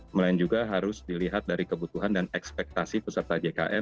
melain juga harus dilihat dari kebutuhan dan ekspektasi peserta jkn